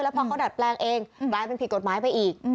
พอเขาดัดแปลงเองกลายเป็นผิดกฎหมายไปอีก